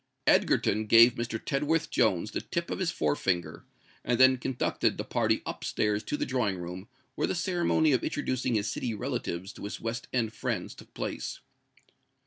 Egerton gave Mr. Tedworth Jones the tip of his fore finger, and then conducted the party up stairs to the drawing room, where the ceremony of introducing his City relatives to his West End friends took place.